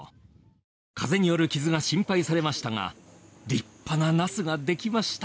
風による傷が心配されましたが立派なナスができました。